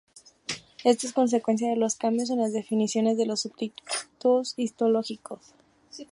Esto es consecuencia de los cambios en las definiciones de los subtipos histológicos.